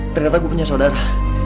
ternyata saya punya saudara